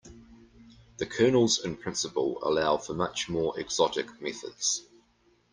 The kernels in principle allow for much more exotic methods.